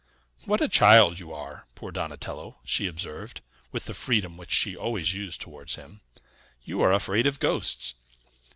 "What a child you are, poor Donatello!" she observed, with the freedom which she always used towards him. "You are afraid of ghosts!"